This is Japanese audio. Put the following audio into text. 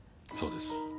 そうです。